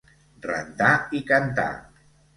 Rentar i cantar.